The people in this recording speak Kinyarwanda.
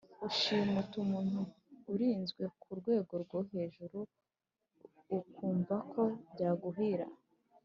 ushimuta umuntu urinzwe ku rwego rwohejuru ukumvako byaguhira